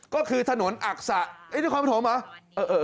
ก็คือถนนอักษะนี่ความประถมหรือ